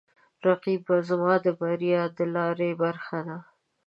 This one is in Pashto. رقیب زما د بریا د لارې برخه ده